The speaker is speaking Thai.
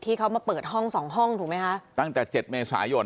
ที่เขามาเปิดห้องสองห้องถูกไหมคะตั้งแต่เจ็ดเมษายน